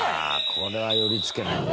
「これは寄り付けないね」